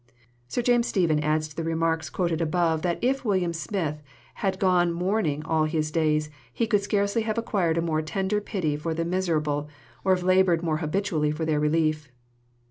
Sir James Stephen adds to the remarks quoted above that if William Smith "had gone mourning all his days, he could scarcely have acquired a more tender pity for the miserable, or have laboured more habitually for their relief."